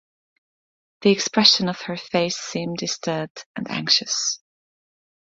The expression of her face seemed disturbed and anxious.